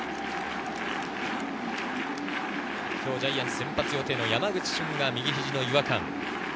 今日ジャイアンツ先発予定の山口俊が右肘、違和感。